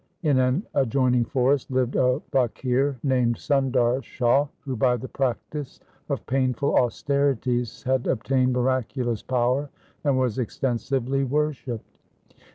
In an adjoining forest lived a faqir named Sundar Shah, who by the practice of painful austerities had obtained miraculous power and was extensively worshipped.